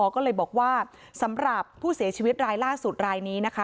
ก็เลยบอกว่าสำหรับผู้เสียชีวิตรายล่าสุดรายนี้นะคะ